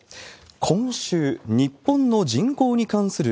今週、日本の人口に関する